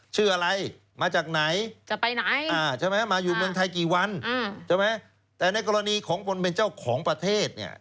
ชื่ออะไรมาจากไหนจะไปไหนใช่ไหมมาอยู่เมืองไทยกี่วันใช่ไหมแต่ในกรณีของคนเป็นเจ้าของประเทศเนี่ย